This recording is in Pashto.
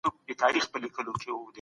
ښځي به د خپل ځان هيڅ اختیار نه درلود.